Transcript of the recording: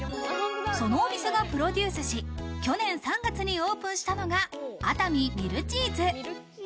そのお店がプロデュースし、去年３月にオープンしたのが熱海ミルチーズ。